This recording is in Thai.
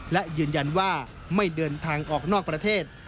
และยืนยันว่าไม่เดินทางออกนอกประเทศ